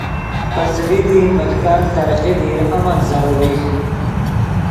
پے څیمی دی ملکن ترقی دیر امن ضروری